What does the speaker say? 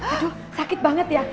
aduh sakit banget ya